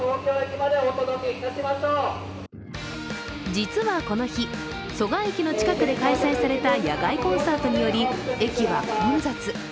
実はこの日、蘇我駅の近くで開催された野外コンサートにより、駅は混雑。